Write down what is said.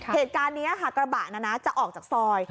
เหตุการณ์นี้ค่ะกระบะนะนะจะออกจากซอย